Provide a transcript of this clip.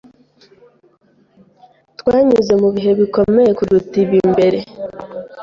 Twanyuze mubihe bikomeye kuruta ibi mbere.